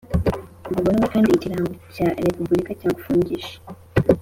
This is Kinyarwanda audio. Bibonywe kandi ikirango cya Repubulika cyadufungisha